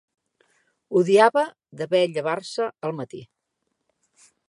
Odiava de ver llevar-se al matí.